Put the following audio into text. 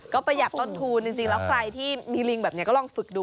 ก็ประหยัดต้นทุนจริงแล้วใครที่มีลิงแบบนี้ก็ลองฝึกดู